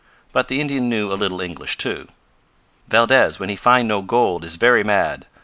But the Indian knew a little English, too. "Valdez, when he find no gold is very mad.